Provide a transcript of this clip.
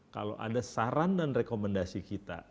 kalau ada saran dan rekomendasi kita